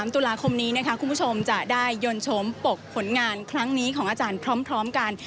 ตุลาคมนี้นะคะคุณผู้ชมจะได้ยนต์ชมปกผลงานครั้งนี้ของอาจารย์พร้อมกัน